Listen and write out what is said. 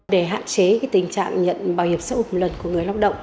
để hạn chế tình trạng nhận bảo hiểm xã hội một lần của người lao động